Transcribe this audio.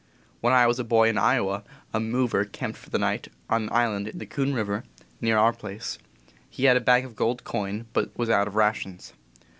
When I was a boy in Iowa, a *' mover" camped for the night on an island in Coon River, near our place. He had a bag of gold coin, but was out of rations.